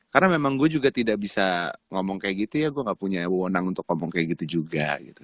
karena memang gue juga tidak bisa ngomong kayak gitu ya gue gak punya wonang untuk ngomong kayak gitu juga gitu